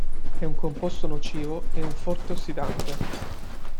È un composto nocivo e un forte ossidante.